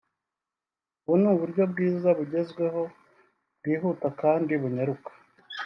ubu ni uburyo bwiza bugezweho bwihuta kandi bunyaruka